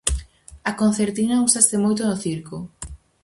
A concertina úsase moito no circo.